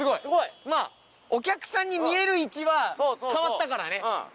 お客さんに見える位置は変わったからね。